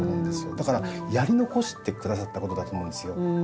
だからやり残してくださったことだと思うんですよ。